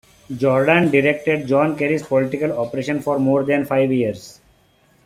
Jordan directed John Kerry's political operation for more than five years.